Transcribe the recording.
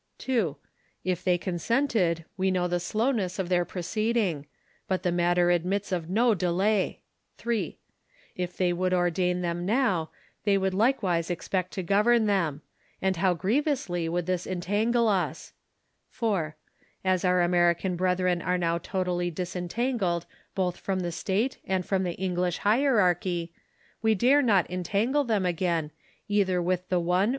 (2) If they consented, we know the slowness of their proceeding ; but the matter admits of no de lay. (3) If they would ordain them now, they would likewise expect to govern them ; and how grievously would tliis entan gle us ! (4) As our American brethren are now totally disen tangled both from the state and from the English hierarchy, we dare not entangle them again, either with the one or the * Wesley's Sunday Service, an adaptation of the Book of Common Prayer.